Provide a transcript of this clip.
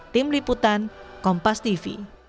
tim liputan kompas tv